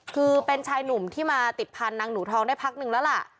คือเป็นชายหนุ่มที่มาติดพันธนางหนูทองได้พักนึงแล้วล่ะ